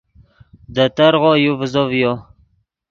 دے ترغو یو ڤیزو ڤیو